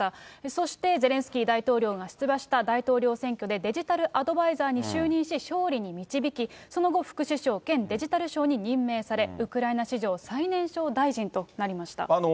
そしてゼレンスキー大統領が出馬した大統領選挙でデジタルアドバイザーに就任し、勝利に導き、その後、副首相兼デジタル相に任命され、ウクライナ史上最年少大臣となりました。